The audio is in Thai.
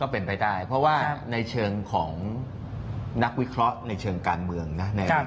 เพราะว่าในเชิงของนักวิเคราะห์ในเชิงการเมืองในอาวุธกาย